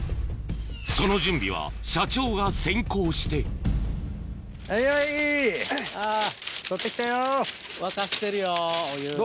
その準備は社長が先行してはいはい。